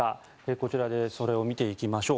こちらでそれを見ていきましょう。